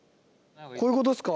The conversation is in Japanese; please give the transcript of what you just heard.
こういうことですか？